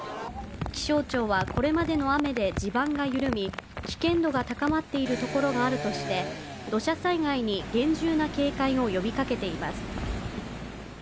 気象庁は、これまでの雨で地盤が緩み、危険度が高まっているところがあるとして、土砂災害に厳重な警戒を呼びかけています。